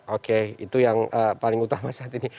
oke itu yang paling utama saat ini